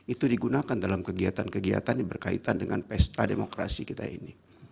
itu digunakan dalam kegiatan kegiatan yang berkaitan dengan pesta demokrasi kita ini